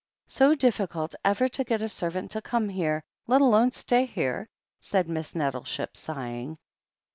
"So difficult ever to get a servant to come here, let alone stay here," said Miss Nettleship, sighing.